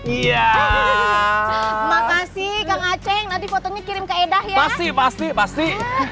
dua belas iya makasih kang aceh nanti fotonya kirim ke edah ya pasti pasti pasti